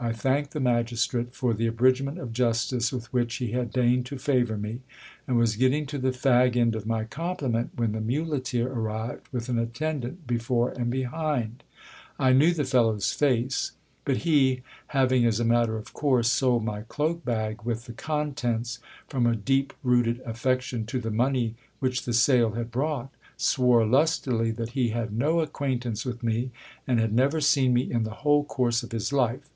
I thanked the magistrate for the abridgment of justice with which he had deigned to favour me, and was getting to the fag end of my compliment, when the muleteer arrived, with an attendant before and behind. I knew GIL BLAS RELEASED FROM PRISON. 27 the fellow's face ; but he, having as a matter of course sold my cloak bag with the contents, from a deep rooted affection to the money which the sale had brought, swore lustily that he had no acquaintance with me, and had never seen me in the whole course of his life.